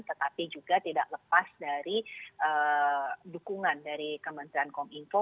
tetapi juga tidak lepas dari dukungan dari kementerian kominfo